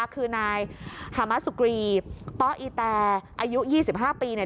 คือนายฮามสุกรีปอีแตร์อายุ๒๕ปี